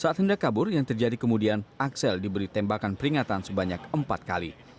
saat hendak kabur yang terjadi kemudian axel diberi tembakan peringatan sebanyak empat kali